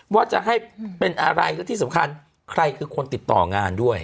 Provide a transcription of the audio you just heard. ว่าจะให้เป็นอะไรและที่สำคัญใครคือคนติดต่องานด้วย